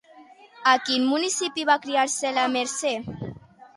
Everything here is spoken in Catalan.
A quin municipi va criar-se la Mercè?